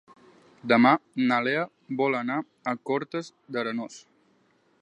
Demà na Lea vol anar a Cortes d'Arenós.